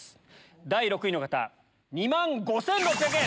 第６位の方２万５６００円。